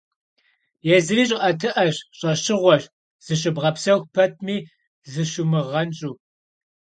Yêzıri ş'ı'etı'eş, ş'eşığueş, zışıbğepsexu petmi zışumığenş'u.